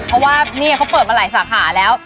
เพราะว่านี่เขาเปิดมาหลายสาขาแล้ว